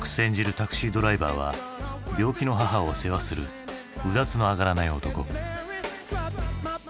タクシードライバーは病気の母を世話するうだつの上がらない男。